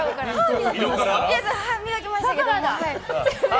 歯磨きましたけど。